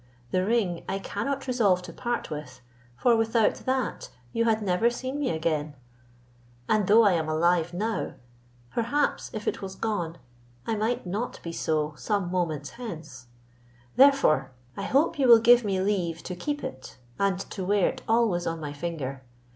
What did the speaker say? The ring I cannot resolve to part with; for without that you had never seen me again; and though I am alive now, perhaps, if it was gone, I might not be so some moments hence; therefore I hope you will give me leave to keep it, and to wear it always on my finger.